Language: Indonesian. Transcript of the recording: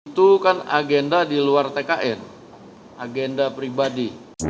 itu kan agenda di luar tkn agenda pribadi